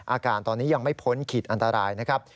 อาการตอนนี้ยังไม่พ้นขีดอันตรายนะครับ